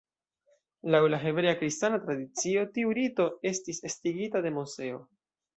Laŭ la hebrea-kristana tradicio, tiu rito estis estigita de Moseo.